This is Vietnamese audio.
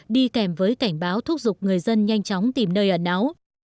đi kèm với cảnh báo thúc giục người dân nhanh chóng tìm nơi ẩn náu